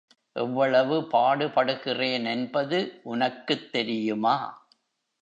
எவ்வளவு பாடுபடுகிறேனென்பது உனக்குத் தெரியுமா?